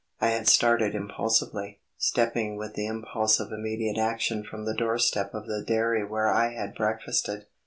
I had started impulsively; stepping with the impulse of immediate action from the doorstep of the dairy where I had breakfasted.